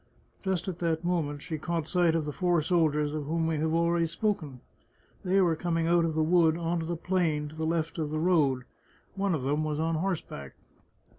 Just at that moment she caught sight of the four soldiers of whom we have already spoken. They were coming out of the wood on to the plain to the left of the road. One of them was on horseback.